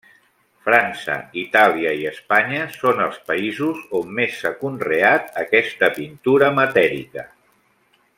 França, Itàlia i Espanya són els països on més s'ha conreat aquesta pintura matèrica.